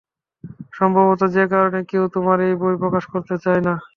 সম্ভবত সে কারণেই কেউ তোমার বই প্রকাশ করতে চায় না।